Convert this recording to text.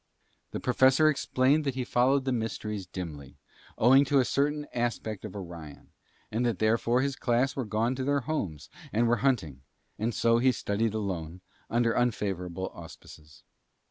The Professor explained that he followed the mysteries dimly, owing to a certain aspect of Orion, and that therefore his class were gone to their homes and were hunting; and so he studied alone under unfavourable auspices.